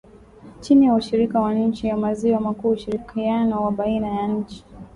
chini ya ushirika wa nchi za maziwa makuu ushirikiano wa baina ya nchi